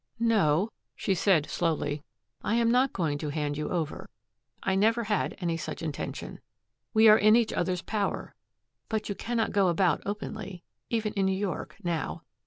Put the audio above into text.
"No," she said slowly, "I am not going to hand you over. I never had any such intention. We are in each other's power. But you cannot go about openly, even in New York, now.